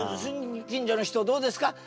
近所の人どうですか。